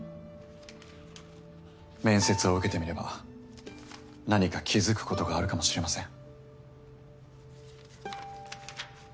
面接を受けてみれば何か気付くことがあるかもしれません。